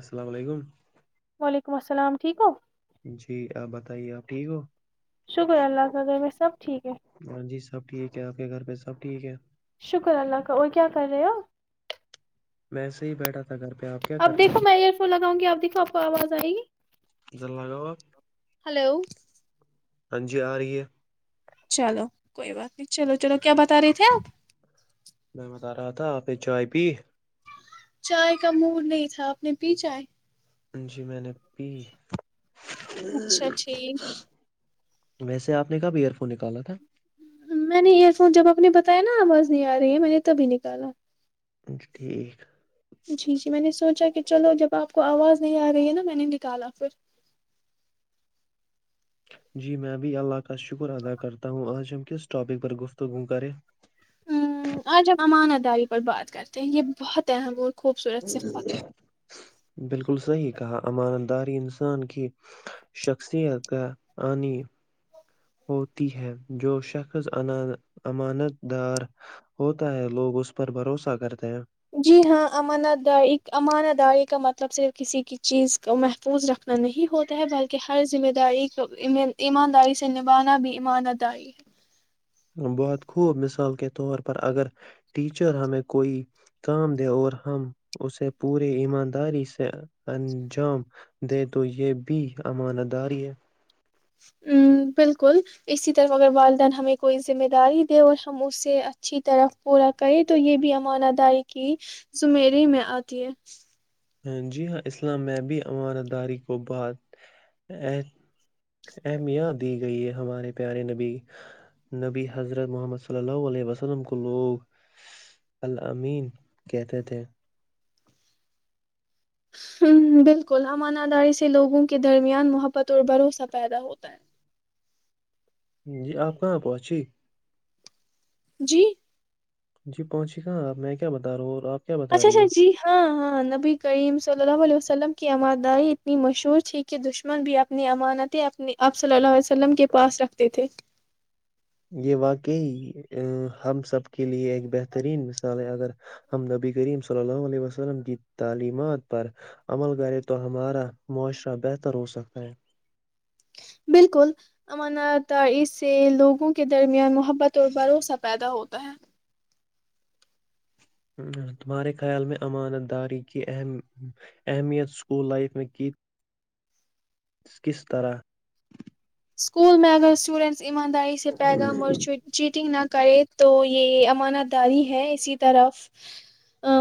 السلام علیکم وعلیکم السلام ٹھیک ہو جی آپ بتائیے آپ ٹھیک ہو شکر اللہ تعال میں سب ٹھیک ہے ہاں جی سب ٹھیک ہے آپ کے گھر پہ سب ٹھیک ہے [unintelligible] شکر اللہ کا اور کیا کر رہے ہو؟ [unintelligible] میں ایسے ہی بیٹھا تھا گھر پہ آپ کیا کر اب رہی دیکھو ہو میں ایئر فون لگاؤں گی آپ دیکھو آپ کو آواز آئے گی ادھر لگاؤ آپ ہلو ہاں جی آ رہی ہے [unintelligible] چلو کوئی بات نہیں چلو چلو کیا بتا رہے تھے آپ [unintelligible] میں رہا تھا آپ نے چائے پی [unintelligible] چائے کا مور نہیں تھا اپ نے پی چائے جی میں نے پی اچھا ٹھیک [unintelligible] ویسے آپ نے کب ایئر فون نکالا تھا میں نے ایئر فون جب آپ نے بتایا نا آواز نہیں آ رہی ہے میں نے تبھی نکالا ہم ٹھیک [unintelligible] جی جی میں نے س کچ کچ ل جب آ [unintelligible] کو آواز نہیں آ رہی ہے نا میں نے نکالا پھر [unintelligible] جی میں ابھی اللہ کا شکر ادا کرتا ہوں آج ہم کس ٹاپک پر گفتگو کریں ہ آج ہم امان اداری پر بات کرتے ہیں یہ بہت اہم خوبصورت صفت ہے بالکل صحی کہا امانداری انسان کی شخصیت کا آنی ہوتی ہے جو شخص امانت دار ہوتا ہے لوگ اس پر بھروسہ کرتے ہیں جی ہاں امانت د امانہ داری کا مطلب صرف کسی کی چیز کو محفوظ رکھنا نہیں ہوتا ہے بلکہ ہر ذمہ داری کو ایمانداری سے نبھانا بھی ایمانت داری ہے پر اگر ٹیچر ہمیں کوئی کام دے اور ہم اسے پوری ایمانداری سے انجام دے تو یہ بھی امانت داری ہے ہ بالکل اسی طرف اگر والدین ہمیں کوئی ذمہ داری دے اور ہم اسے اچھی طرف پورا کریں تو یہ بھی امان اداری کی زمری میں آتی ہے جی ہاں اسلام میںب عمارت داری کو بات ا اہمیت دی گئی ہے ہمارے پیارے نبی نبی حضرت محمد صلی اللہ علیہ وسلم کو لوگ المین کہتے تھے بالکل امانہ داری سے لوگوں کے درمیان محبت اور بھروسہ پیدا ہوتا ہے جی آپ کہاں پہنچی جی جی پہنچی گا میں کیا بتا رہا ہوں اور آپ کیا بتا اچھا رہی اچھا ہو جی ہاں ہاں نبی کریم صلی اللہ علیہ وسلم کی آماد اتنی مشہور تھی کہ دشمن بھی اپنی امانتیں اپنی آپ صلی اللہ علیہ ولم کے پاس رکھتے تھے یہ واقعی ہم سب کے لیئے ایک بہترین مثال ہے اگر ہم نبی کریم صلی اللہ علیہ وسلم کی تعلیمات پر عمل کریں تو ہمارا معاشرہ بہتر ہو سکتا ہے بالکل امانات اس سے لوگوں کے درمیان محبت اور بھروسہ پیدا ہوتا ہے تمہارے خیال میں امانت داری کی اہم اہمیت اسکول لائف میں کی کس طرح اسکول میں اگر اسٹوڈینٹ ایمانداری سے پیغام اور چیٹنگ نہ کرے تو یہ امانت داری ہے اسی طرف ا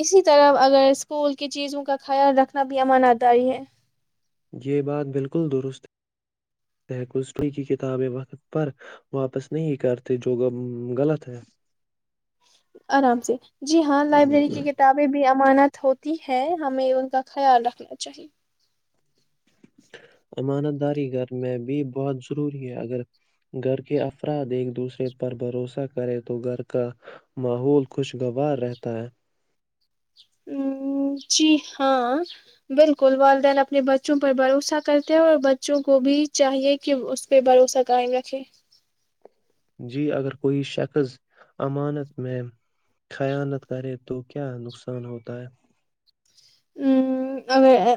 اسی طرف اگر اسکول کی چیزوں کا خیال رکھنا بھی امانت داری ہے یہ بات بالکل درست گی کی کتاب ہے پر واپس نہیں کرتے جو اگر غلط آرام سے جی ہاں ہے لائبریری کی کتابیں بھی امانات ہوتی ہے ہمیں ان کا خیال رکھنا چاہیے امانت داری گھر میں بھی بہت ضروری ہے اگر گھر کے افراد ایک دوسرے پر بھروسہ کرے تو گھر کا ماحول خوشگوار رہتا ہے ہ جی ہاں بالکل والدین اپنے بچوں پر بھروسہ کرتے ہیں اور بچوں کو بھی چاہیے کہ اس پہ بھروسہ قائم رکھے جی اگر کوئی شخص امانت میں خیانت کرے تو کیا نقصان ہوتا ہے ا ا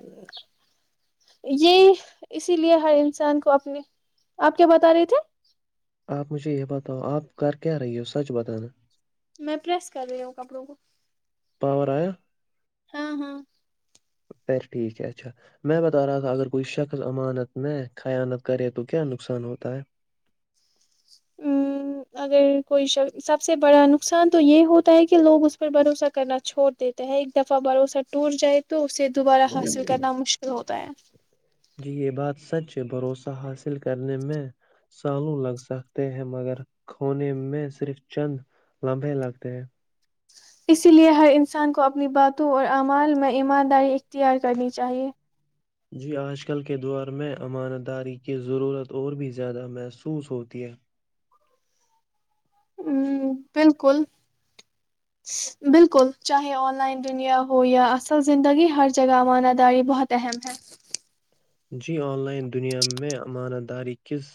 یہ اسی لیے ہر انسان کو اپنے آپ کیا بتا رہے تھے آپ مجھے یہ بتاؤ آپ گ کیا رہی ہو سچ بتانا میں پریس کر رہی ہوں کپڑوں کو پاور ہاں ہاں پر ٹھیک ہے اچھا میں بتا رہا تھا اگر کوئی شخص امانت میں خیانت کرے تو کیا نقصان ہوتا ہے ا اگر کوئی ش سب سے بڑا نقصان تو یہ ہوتا ہے کہ لوگ اس پر بھروسہ کرنا چھوڑ دیتے ہیں ایک دفعہ بھروسہ ٹوٹ جائے تو اس سے دوبارہ حاصل کرنا مشکل ہوتا ہے جی یہ بات سچ بھروسہ حاصل کرنے میں سالو لگ سکتے ہیں مگر کونے میں صرف چند لمبے لگتے ہیں اسی لیے ہر انسان کو اپنی باتوں اور اعمال میں ایمانداری اختیار کرنی چاہیئے جی آج کل کے دور میں امان داری کی ضرورت اور بھی زیادہ محسوس ہوتی ہے ہوں بالکل بالکل بالکل چاہے آن لائن دنیا ہو یا اصل زندگی ہر جگہ امانہ داری بہت اہم ہے جی آن لائن دنیا میں امانہ داری کس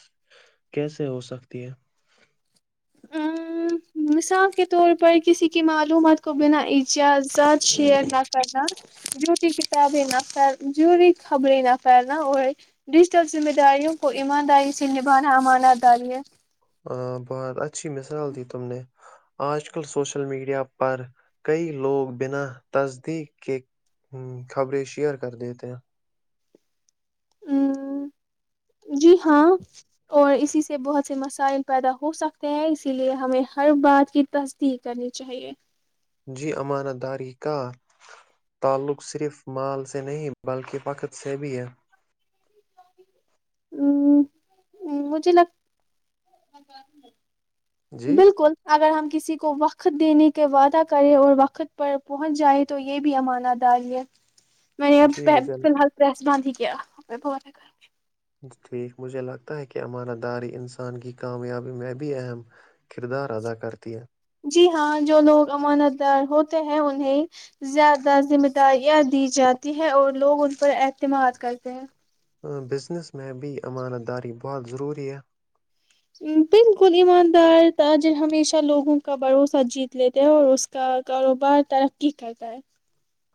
کیسے ہوسکتی ہے ا مثال کے طور پر کسی کی معلومات کو بنا اجہزاد شئیر نہ کرنا جوری کتابیں نہ پ جوری خبریں نہ پھیلنا اور ڈیجیٹل ذمہ داریوں کو ایمانداری سے نبھانا امانت داری ہے [unintelligible] بہت اچھی مثال دی تم نے آج کل سوشل میڈیا پر کئی لوگ بنا تصدیق کے خبریں شیئر کر دیتےے [inaudible] جی ہاں اور اسی سے بہت سے مسائل پیدا ہو سکتے ہیں اسی لیے ہمیں ہر بات کی تصدیق کرنی چاہیے [inaudible] جی امانہ داری کا تعلق صرف مال سے نہیں بلکہ وقت سے بھی ہے [inaudible] جی بالکل اگر ہم کسی کو وقت دینے کے وعدہ کرے اور وقت پر پہنچ جائے تو یہ بھی امانا ڈال ہے میں نے اب جی فی مجھے الحال پرریس باند ہی کیا رہ کر [inaudible] ٹھیک مجھے لگتا ہے کہ امارہ داری انسان کی کامیابی میں بھی اہم کردار ادا کرتی ہے جی ہاں جو لوگ امانت دار ہوتے ہیں انہیں زیادہ ذمہ داریاں دی جاتی ہیں اور لوگ ان پر اعتماد کرتے ہیں بزنس میں بھی امانت داری بہت ضروری ہے بالکل ایماندار تاجر ہمیشہ لوگوں کا بھروسہ جیت لیتے ہیں اور اس کا کاروبار ترقی کرتا ہے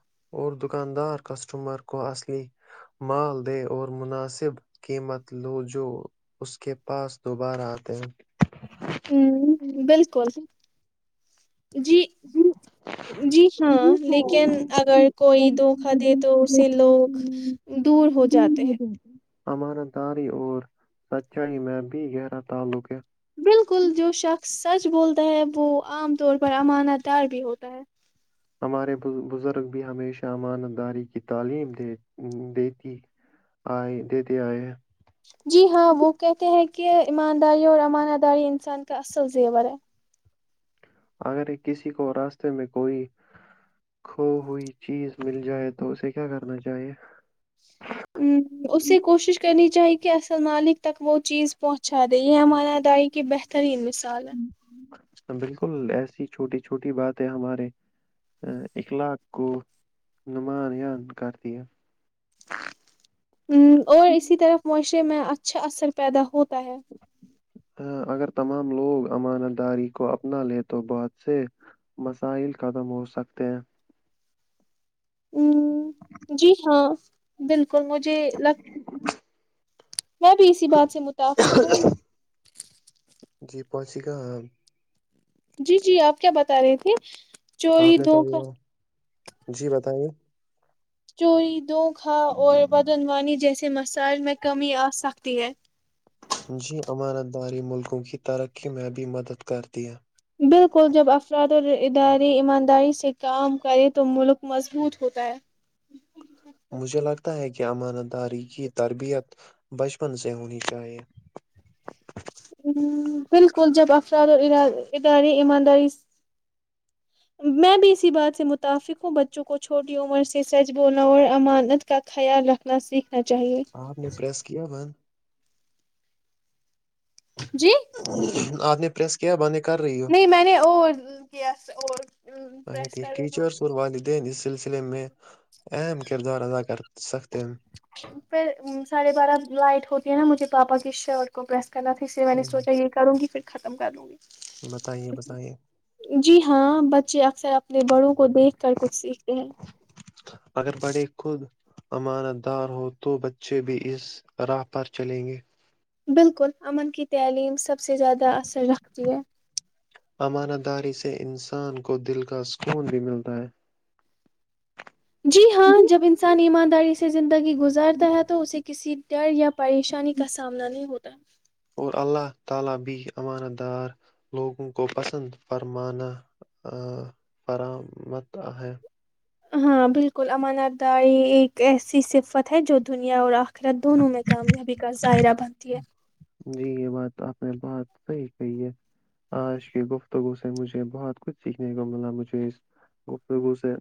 [inaudible] ہوں بالکل [inaudible] جی جی ہاں لیکن اگر ہاں کوئی دھوکا دے تو لیکن اسے لوگ اگر دور ہو جاتے ہیں [inaudible] ہممارا داری اور سچائی میں بھی گہرا تعلق ہے بالکل جو شخص سچ بولتا ہے وہ عام طور پر امانت دار بھی ہوتا ہے ہمارے بزرگ بھی ہمیشہ امانت داری کی تعلیم د دیتی آئے دیتے آئے ہیں جی ہاں وہ کہتے ہیں کہ ایمانداری اور امانہ داری انسان کا اصل زیور ہے [unintelligible] اگر کسی کو راستے میں کوئی کھو ہوئی چیز مل جائے تو اسے کیا کرنا چاہیے ہ اسے کوشش کرنی چاہی کہ اصل مالک تک وہ چیز پہنچا دے یہ ہمارا ادائیی کی بہترین مثال ہے بالکل ایسی چھوٹی چھوٹی باتیں ہمارے اخلاق کو نماانان کر دیا [unintelligible] اور اسی طرف معاشرے میں اچھا اثر پیدا ہوتا ہے ہ اگر تمام لوگ امانت داری کو اپنا لے تو بہت سے مسائل ختم ہو سکتے ہیں ہ جی ہاں بالکل [unintelligible] کو مجھے لگ [unintelligible] میں بھی اسی بات سے متفق ہوں [unintelligible] پچ کا [unintelligible] جی جی آپ کیا بتا رہی تھے چوری آپ نے تو دھوکہ [unintelligible] جی بتائیے چوری دو کھاں اور بدنوانی جیسے مسائج میں کمی آسکتی ہے جی امانت داری ملکوں کی ترقی میں بھی مدد کرتی ہے بالکل جب افراد اور ادارے ایمانداری سے کام کرے تو ملک مضبوط ہوتا ہے [unintelligible] مجھے لگتا ہے کہ امان داری کی تربیت بچپن سے ہونی چاہیے بالکل جب افراد اور ادارے ایمانداری میں بھی اسی بات سے متفق ہوں بچوں کو چھوٹی عمر سے سچ بولنا اور امانت کا خیال رکھنا سیکھ آپ نے پریس کیا بند [unintelligible] جی [unintelligible] آد نے پریس کیا بنے نہیں میں نے اور کیا اور اچھا پریس کر ٹھیک دا ٹیچرس اور والدین اس سلسلے میں اہم کردار ادا کر سکتے ہیں پھر ساڑھے بارہ لائٹ ہوتی ہے نا مجھے تو واپس ٹی شرٹ کو پرس کرنا سے میں نے سوچا یہ کروں گی پھر ختم کر لوں گی بتائیے بتائیے جی ہاں بچے اکثر اپنے بڑوں کو دیکھ کر کچھ سیکھتے ہیں اگر بڑے خود امانت دار ہو تو بچے بھی اس راہ پر چلیں گے بالکل امن کی تعلیم سب سے زیادہ اثر رکھتی ہے امانہ داری سے انسان کو دل کا سکون بھی ملتا ہے جی ہاں جب انسان ایماند داری سے زندگی گزارتا ہے تو اسے کسی ڈر یا پریشانی کا سامنا نہیں ہوتا اور اللہ تعالی بھی امان دار لوگوں کو پسند فرمانا فرمت ہے ہاں بالکل امانات داری ایک ایسی صفت ہے جو دنیا اور آخرت دونوں میں کامیابی کا ائرہ بنتی ہے جی یہ بات آپ نے بہت صحیح کہی ہے آج کی گفتگو سے مجھے بہت کچھ سیکھنے کو ملا مجھے اس گفتگو سے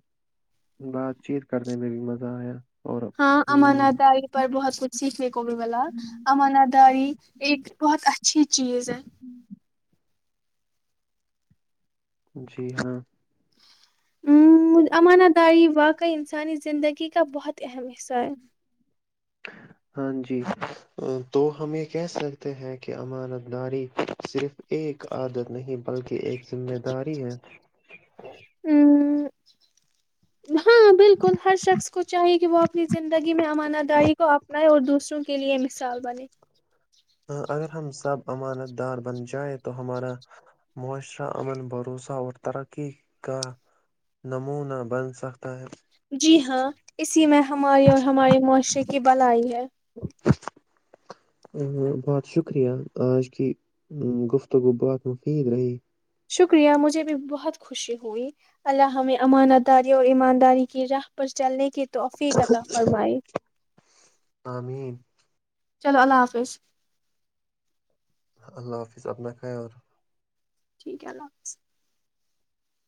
بات چیت کرنے میں بھی مزہ آیا اور ہاں ہم، امانداری پر بہت کچھ سیکھنے کو بھی بلا امانداری ایک بہت اچھی چیز ہے ہوں جی ہاں ہ آ نہ تعاری واقع انسانی زندگی کا بہت تے ہمیسہ ہاں جی تو ہم یہ کہہ سکتے ہیں کہ امانت داری صرف ایک عادت نہیں بلکہ ایک ذمہ داری ہے ہ ہاں بالکل ہر شخص کو چاہیے کہ وہ اپنی زندگی میں امانہ داری کو اپنائے اور دوسروں کے لیے مثال بنے ہ اگر ہم سب امانت دار بن جائے تو ہمارا معاشرہ امن بھروسہ اور ترقی کا نمونہ بن سکتا ہے جی ہاں اسی میں ہماری اور ہمارے معاشرے کی بل آئی ہے بہت شکریہ آج کی گفتگو بہات مفید رہی شکریہ مجھے بھی بہت خوشی ہوئی اللہ ہم امانہ داری اور ایمانداری کی راہ پر چلنے کے توحفیقطا فرمائی آمین چلو اللہ حافظ اللہ حافظ اپنا خیا ر ٹھیک ہے اللہ حافظ